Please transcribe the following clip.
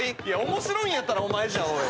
いや面白いんやったらお前じゃ。